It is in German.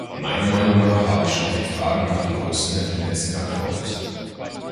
Meiner Meinung nach habe ich schon auf die Frage nach den großen Energienetzen geantwortet.